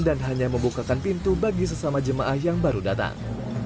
dan hanya membukakan pintu bagi sesama jemaah yang baru datang